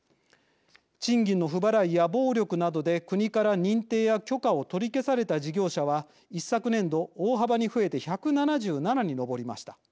賃金の不払いや暴力などで国から認定や許可を取り消された事業者は一昨年度大幅に増えて１７７に上りました。